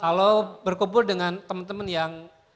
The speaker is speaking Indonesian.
kalau berkumpul dengan temen temen yang